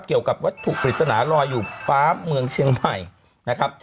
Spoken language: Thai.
เกี่ยวกับวัตถุปริศนาลอยอยู่ฟ้าเมืองเชียงใหม่นะครับ